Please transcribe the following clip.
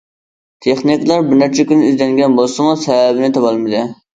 تېخنىكلار بىر نەچچە كۈن ئىزدەنگەن بولسىمۇ سەۋەبىنى تاپالمىدى.